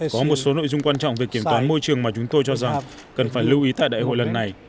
có một số nội dung quan trọng về kiểm toán môi trường mà chúng tôi cho rằng cần phải lưu ý tại đại hội lần này